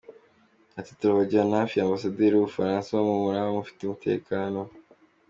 Ati ‘Turabajyana hafi ya Ambasaderi w’u Bufaransa, ho muraba mufite umutekano.